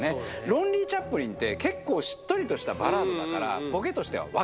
「ロンリーチャップリン」って結構しっとりとしたバラードだから。